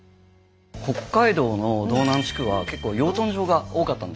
北海道の道南地区は結構養豚場が多かったんですよ。